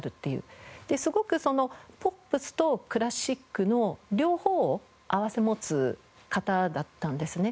すごくそのポップスとクラシックの両方を併せ持つ方だったんですね。